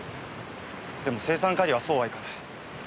でも青酸カリはそうはいかない。